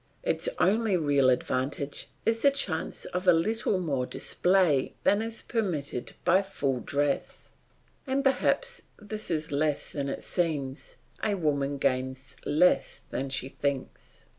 Its only real advantage is the chance of a little more display than is permitted by full dress, and perhaps this is less than it seems and a woman gains less than she thinks.